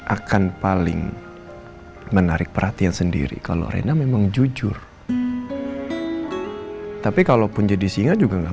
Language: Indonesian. akan paling menarik perhatian sendiri kalau rena memang jujur tapi kalaupun jadi singa juga nggak